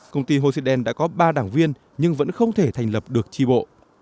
công ty hồ sĩ đen đã có ba đảng viên nhưng vẫn không thể thành lập được tri bộ